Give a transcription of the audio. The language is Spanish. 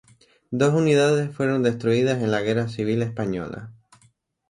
Dos unidades fueron destruidas en la guerra civil española.